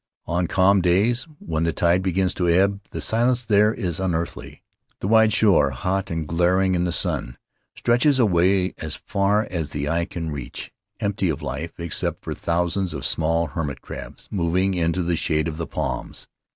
On calm days when the tide begins to ebb the silence there is unearthly. The wide shore, hot and glaring in the sun, stretches away as far as the eye can reach, empty of life except for thousands of small hermit crabs moving into the shade of the palms.